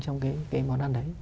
trong cái món ăn đấy